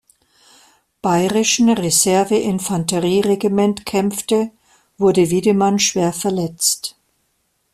Bayerischen Reserve-Infanterie-Regiment kämpfte, wurde Wiedemann schwer verletzt.